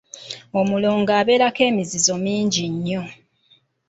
Omulongo abeerako emizizo mingi nnyo.